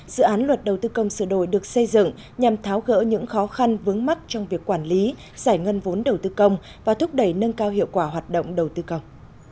dự án luật đầu tư công sửa đổi được xây dựng nhằm tháo gỡ những khó khăn vướng mắt trong việc quản lý giải ngân vốn đầu tư công và thúc đẩy nâng cao hiệu quả hoạt động đầu tư công